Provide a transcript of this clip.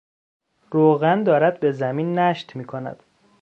روغن دارد به زمین نشت میکند.